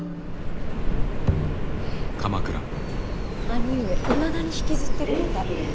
兄上いまだに引きずってるみたい。